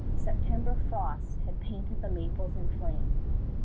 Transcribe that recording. September frosts had painted the maples in flame.